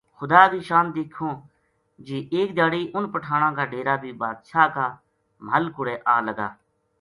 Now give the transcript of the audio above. خدا کی شان دیکھوں جی ایک دھیاڑی اُنھ پٹھاناں کا ڈیرا بی بادشاہ کا محل کوڑے آلگا